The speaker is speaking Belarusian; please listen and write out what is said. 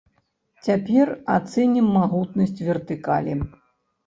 Цяпер ацэнім магутнасць вертыкалі.